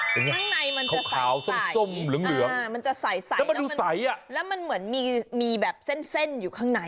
ข้างในมันจะใสขาวส้มเหลืองมันจะใสแล้วมันเหมือนมีแบบเส้นอยู่ข้างใน